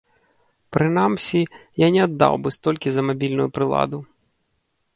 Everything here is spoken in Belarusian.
Прынамсі, я не аддаў бы столькі за мабільную прыладу.